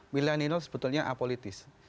milenial sebetulnya apolitis